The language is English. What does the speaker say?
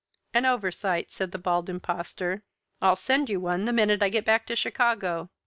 "An oversight," said the Bald Impostor. "I'll send you one the minute I get back to Chicago.